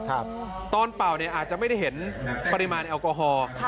ตอนเป่าเนี่ยอาจจะไม่ได้เห็นปริมาณแอลกอฮอล์